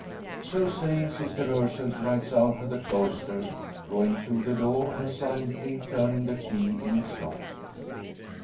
So saying, Sister Ursule glides out of the cloister, drawing to the door, and silently turning the key in its lock.